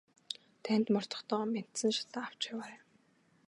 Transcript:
Дайнд мордохдоо мяндсан шатаа авч яваарай.